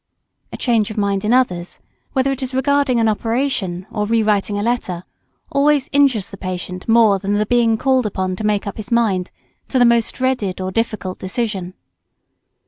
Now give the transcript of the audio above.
A change of mind in others, whether it is regarding an operation, or re writing a letter, always injures the patient more than the being called upon to make up his mind to the most dreaded or difficult decision.